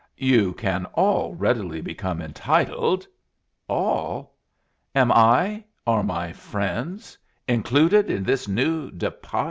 "You can all readily become entitled " "All? Am I are my friends included in this new depa'tyuh?"